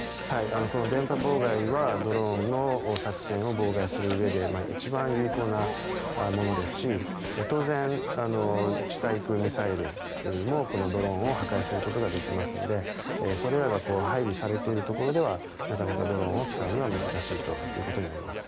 この電波妨害はドローンの作戦を妨害するうえで一番有効なものですし当然、地対空ミサイルもこのドローンを破壊することができますのでそれらが配備されているところではなかなかドローンを使うのは難しいということになります。